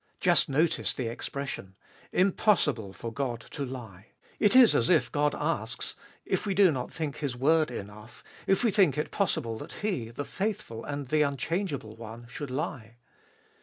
Just notice the expression — impossible for God to lie ! It is as if God asks, if we do not think His word enough, if we think it possible that He, the faithful and the unchangeable One, should lie.